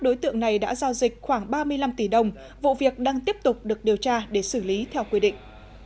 đối tượng này đã giao dịch khoảng ba mươi năm tỷ đồng vụ việc đang tiếp tục được điều tra để xử lý theo quy định